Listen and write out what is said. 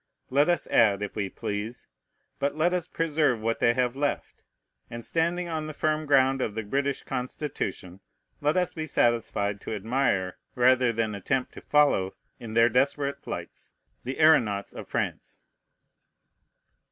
Let us add, if we please, but let us preserve what they have left; and standing on the firm ground of the British Constitution, let us be satisfied to admire, rather than attempt to follow in their desperate flights, the aëronauts of France.